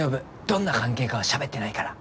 どんな関係かはしゃべってないから。